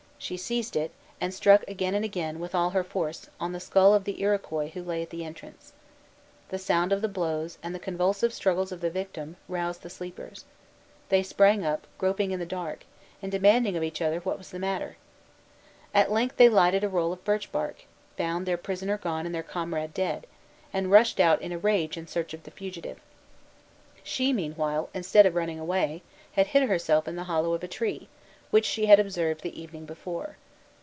She seized it, and struck again and again, with all her force, on the skull of the Iroquois who lay at the entrance. The sound of the blows, and the convulsive struggles of the victim, roused the sleepers. They sprang up, groping in the dark, and demanding of each other what was the matter. At length they lighted a roll of birch bark, found their prisoner gone and their comrade dead, and rushed out in a rage in search of the fugitive. She, meanwhile, instead of running away, had hid herself in the hollow of a tree, which she had observed the evening before.